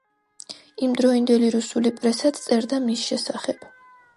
იმდროინდელი რუსული პრესაც წერდა მის შესახებ.